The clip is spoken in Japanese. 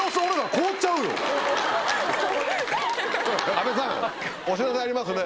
阿部さんお知らせありますね。